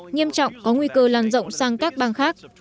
nghiêm trọng có nguy cơ lan rộng sang các bang khác